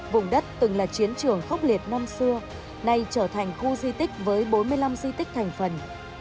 vùng đất từng là chiến trường khốc liệt năm xưa nay trở thành khu di tích với bốn mươi năm di tích thành phần